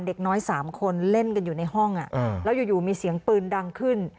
เด็กน้อย๓คนเล่นกันอยู่ในห้องแล้วอยู่มีเสียงปืนดังขึ้น